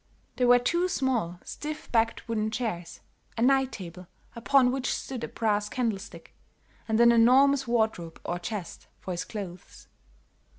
There were two small, stiff backed wooden chairs, a night table, upon which stood a brass candlestick, and an enormous wardrobe or chest for his clothes.